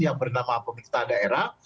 yang bernama pemerintah daerah